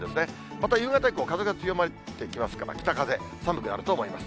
また夕方以降、風が強まってきますから、北風、寒くなると思います。